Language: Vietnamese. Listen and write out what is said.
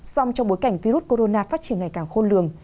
song trong bối cảnh virus corona phát triển ngày càng khôn lường